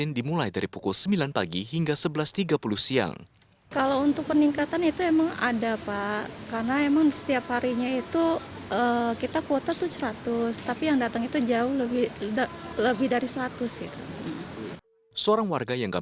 saya rasa sih saya setuju ya